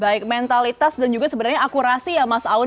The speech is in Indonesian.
baik mentalitas dan juga sebenarnya akurasi ya mas aun